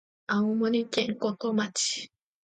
青森県五戸町